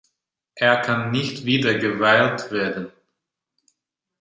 Er kann nicht wiedergewählt werden.